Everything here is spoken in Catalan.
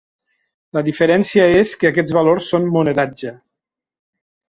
La diferència és que aquests valors són monedatge.